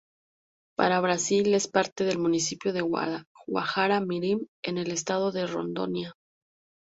Para Brasil es parte del municipio de Guajará-Mirim en el estado de Rondônia.